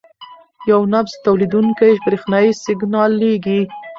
یو نبض تولیدوونکی برېښنايي سیګنال لېږي.